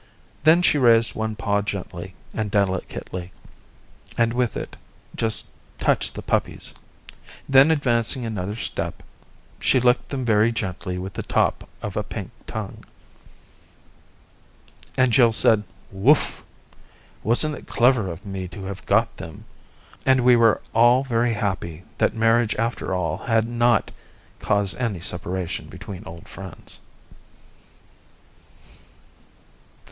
Then she raised one paw gently and delicately, and with it just touched the puppies. Then advancing another step, she licked them very gently with the top of a pink tongue. And Jill said " Wooff : wasn't it clever of me to have got them ?" And we were all very happy that marriage after all had not caused any separation between old friends.